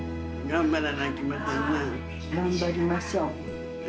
頑張りましょう。